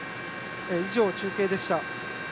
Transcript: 以上、中継でした。